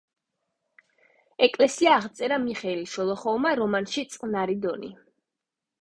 ეკლესია აღწერა მიხეილ შოლოხოვმა რომანში „წყნარი დონი“.